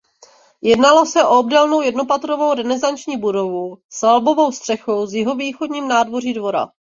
Jednalo se o obdélnou jednopatrovou renesanční budovu s valbovou střechou v jihovýchodním nároží dvora.